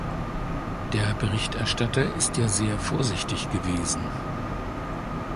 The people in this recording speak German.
Der Berichterstatter ist ja sehr vorsichtig gewesen.